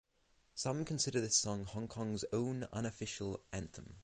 Some consider this song Hong Kong's own unofficial anthem.